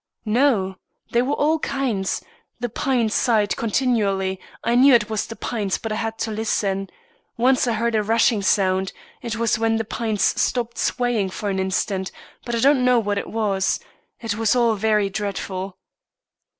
"No; they were of all kinds. The pines sighed continually; I knew it was the pines, but I had to listen. Once I heard a rushing sound it was when the pines stopped swaying for an instant but I don't know what it was. It was all very dreadful."